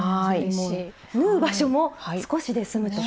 縫う場所も少しで済むと？